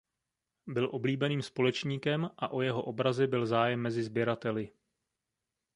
Byl oblíbeným společníkem a o jeho obrazy byl zájem mezi sběrateli.